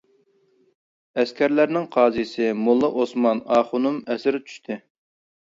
ئەسكەرلەرنىڭ قازىسى موللا ئوسمان ئاخۇنۇم ئەسىر چۈشتى.